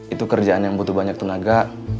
itu kerjaan yang butuh banyak tenaga